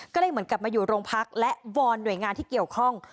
ก็เลยเหมือนกลับมาอยู่โรงพักและวอนหน่วยงานที่เกี่ยวข้อง